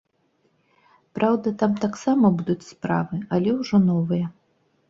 Праўда, там таксама будуць справы, але ўжо новыя.